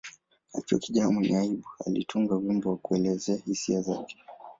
Akiwa kijana mwenye aibu, alitunga wimbo wa kuelezea hisia zake.